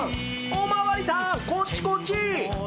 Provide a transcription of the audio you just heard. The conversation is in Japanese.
お巡りさん、こっちこっち。